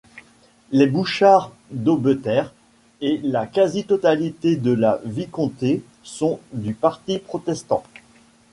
Les Bouchard d’Aubeterre et la quasi-totalité de la vicomté sont du parti protestant.